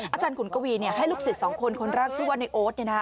อาจารย์ขุนกะวีให้ลูกศิษย์สองคนคนรักชื่อวันนายโอ๊ต